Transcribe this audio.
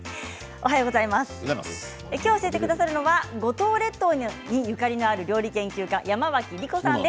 今日教えてくださるのは五島列島にゆかりのある料理研究家、山脇りこさんです。